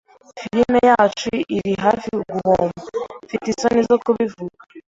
Firime yacu iri hafi guhomba, mfite isoni zo kubivuga.